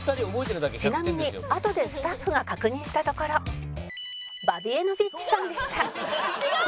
「ちなみにあとでスタッフが確認したところバビ江ノビッチさんでした」